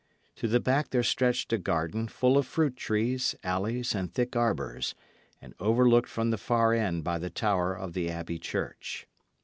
To the back there stretched a garden, full of fruit trees, alleys, and thick arbours, and overlooked from the far end by the tower of the abbey church.